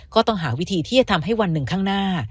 ก็ต้องหาวิธีที่จะทำให้วันหนึ่งข้างหน้า